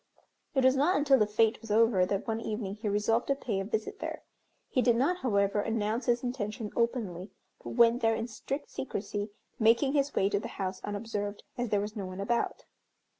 It was not until the fête was over that one evening he resolved to pay a visit there. He did not, however, announce his intention openly, but went there in strict secrecy, making his way to the house unobserved, as there was no one about.